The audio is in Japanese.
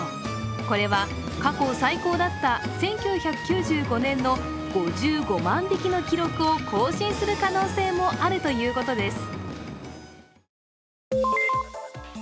これは過去最高だった１９９５年の５５万匹の記録を更新する可能性もあるということです。